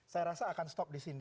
saya rasa akan stop di sini